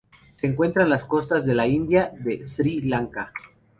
Se encuentra en las costas de la India y de Sri Lanka.